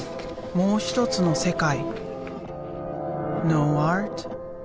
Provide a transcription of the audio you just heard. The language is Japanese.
もう一つの世界。